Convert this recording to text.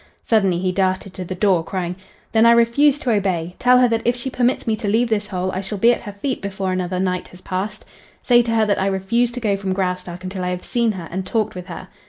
Suddenly he darted to the door, crying: "Then I refuse to obey! Tell her that if she permits me to leave this hole I shall be at her feet before another night has passed. Say to her that I refuse to go from Graustark until I have seen her and talked with her.